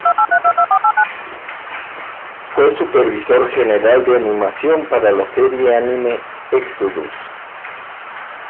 Fue supervisor general de animación para la serie anime Exodus!